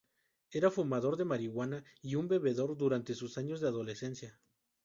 Era fumador de marihuana y un bebedor durante sus años de adolescencia.